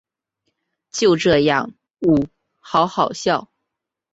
就这样喔好好笑